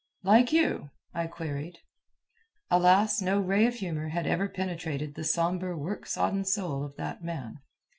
"Like you?" I queried. Alas, no ray of humor had ever penetrated the sombre work sodden soul of that man.